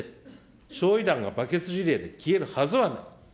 焼い弾がバケツリレーで消えるはずがない。